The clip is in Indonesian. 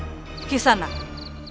sampai jumpa lagi